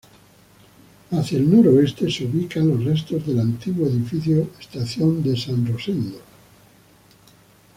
Hacia el noroeste, se ubican los restos del antiguo edificio estación de San Rosendo.